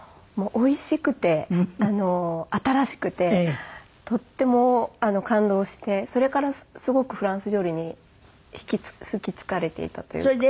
もうおいしくて新しくてとっても感動してそれからすごくフランス料理に引きつかれていたというか。